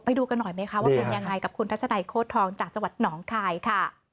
ไปดูกันหน่อยไหมคะว่าเป็นยังไงกับคุณทัศนัยโคตรทองจากจังหวัดหนองคายค่ะ